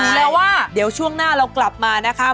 แปลว่าเดี๋ยวช่วงหน้าเรากลับมานะคะ